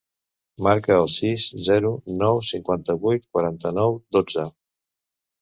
Marca el sis, zero, nou, cinquanta-vuit, quaranta-nou, dotze.